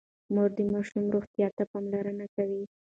مور د ماشوم روغتيا ته پاملرنه کوي.